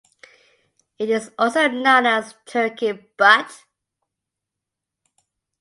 It is also known as Turkey Butte.